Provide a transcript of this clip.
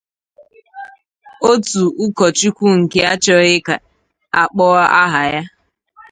Otu ụkọchukwu nke achọghị ka akpọọ aha ya